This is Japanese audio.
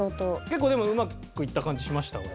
結構でもうまくいった感じしました俺。